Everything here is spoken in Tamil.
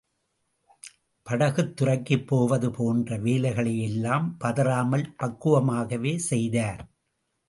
படகுத் துறைக்குப் போவது போன்ற வேலைகளையெல்லாம் பதறாமல் பக்குவமாகவே செய்தார்.